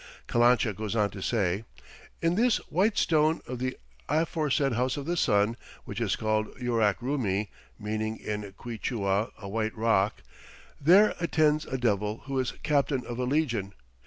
Calancha goes on to say: "In this white stone of the aforesaid House of the Sun, which is called Yurac Rumi [meaning, in Quichua, a white rock], there attends a Devil who is Captain of a legion.